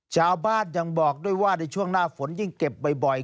ชาวบ้านยังบอกด้วยว่าในช่วงหน้าฝนยิ่งเก็บบ่อย